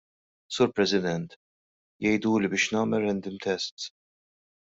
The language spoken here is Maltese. Sur President, jgħiduli biex nagħmel random tests.